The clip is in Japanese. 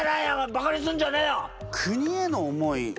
バカにすんじゃねえよ！